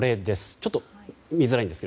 ちょっと見づらいですが。